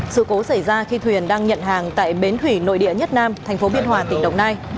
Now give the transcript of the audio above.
sự cố xảy ra khi thuyền đang nhận hàng tại bến thủy nội địa nhất nam thành phố biên hòa tỉnh đồng nai